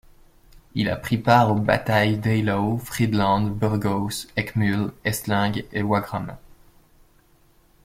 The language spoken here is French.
Il a pris part aux batailles d’Eylau, Friedland, Burgos, Eckmühl, Essling et Wagram.